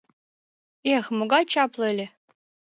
Эх, могай чапле ыле.